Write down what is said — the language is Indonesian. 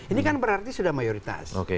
ini kan berarti sudah mayoritas